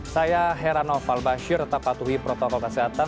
saya herano falbashir tetap patuhi protokol kesehatan